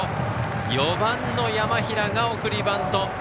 ４番、山平が送りバント。